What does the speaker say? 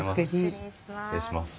失礼します。